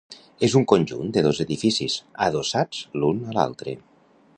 És un conjunt de dos edificis, adossats l'un a l'altre.